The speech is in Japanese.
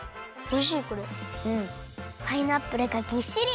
パイナップルがぎっしり！